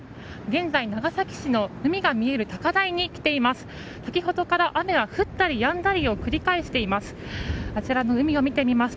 現在、長崎市の海が見える高台に来ています。